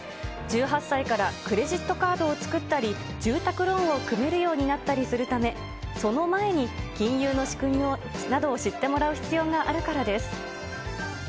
１８歳からクレジットカードを作ったり、住宅ローンを組めるようになったりするため、その前に金融の仕組みなどを知ってもらう必要があるからです。